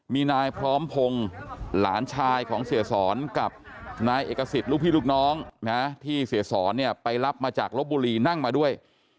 มีนายพร้อมพงศ์หลานชายของเสียสอนกับนายเอกสิทธิ์ลูกพี่ลูกน้องนะที่เสียสอนเนี่ยไปรับมาจากลบบุรีนั่งมาด้วย